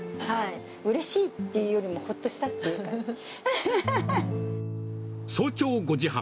うれしいっていうよりも、ほっと早朝５時半。